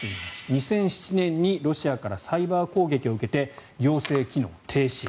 ２００７年にロシアからサイバー攻撃を受けて行政機能停止。